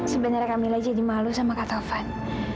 sebenarnya kamila jadi malu sama kak tovan